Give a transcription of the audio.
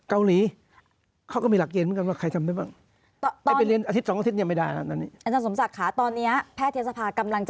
ละเอียดขนาดนี้ว่าทำอะไรหมอชื่ออะไรบ้างอย่างเงี้ยเหรอคะ